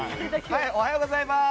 おはようございます！